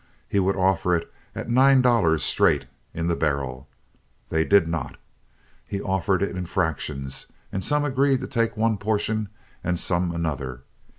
He would offer it at nine dollars straight, in the barrel. They did not. He offered it in fractions, and some agreed to take one portion, and some another.